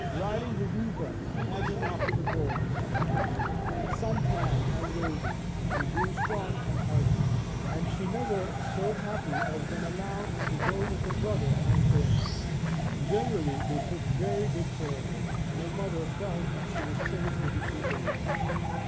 Riding Babieca, tagging after the boys, sun 98 Our Little Spanish Cousin tanned and rosy, she grew strong and hearty, and was never so happy as when allowed to go with her brother and Antonio. Generally they took very good care of her, and her mother felt that she was safe with the two boys.